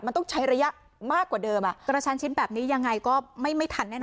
มันต้องใช้ระยะมากกว่าเดิมกระชันชิ้นแบบนี้ยังไงก็ไม่ทันแน่น